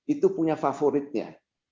itu punya favoritnya